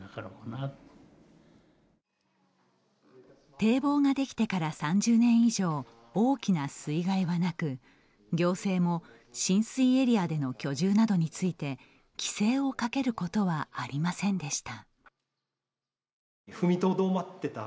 堤防ができてから３０年以上大きな水害はなく、行政も浸水エリアでの居住などについて規制をかけることはありませんでした。